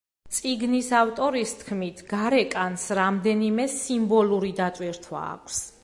წიგნის ავტორის თქმით, გარეკანს რამდენიმე სიმბოლური დატვირთვა აქვს.